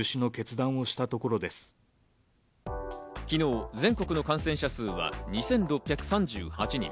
昨日、全国の感染者数は２６３８人。